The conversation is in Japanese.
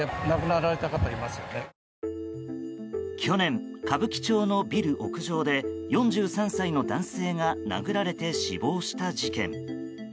去年、歌舞伎町のビル屋上で４３歳の男性が殴られて死亡した事件。